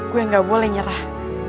gue gak boleh nyerah